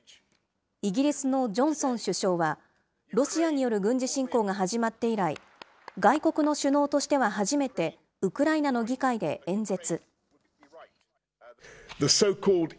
イギリスのジョンソン首相は、ロシアによる軍事侵攻が始まって以来、外国の首脳としては初めて、ウクライナの議会で演説。